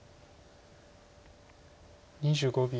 ２５秒。